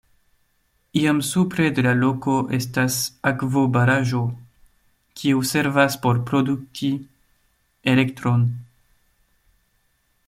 Iom supre de la loko estas akvobaraĵo, kiu servas por produkti elektron.